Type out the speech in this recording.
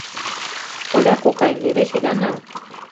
— Поля кокай, нелеш ида нал.